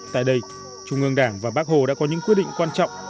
tại đây trung ương đảng và bác hồ đã có những quyết định quan trọng